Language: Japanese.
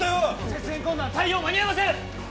・接舷困難対応間に合いません！